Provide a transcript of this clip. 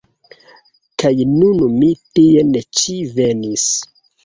Kaj nun mi tien ĉi venis.